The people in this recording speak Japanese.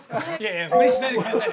◆いや、無理しないでください。